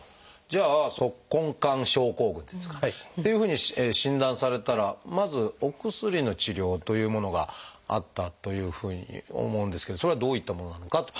じゃあ「足根管症候群」っていうんですかっていうふうに診断されたらまずお薬の治療というものがあったというふうに思うんですけどそれはどういったものなのかと。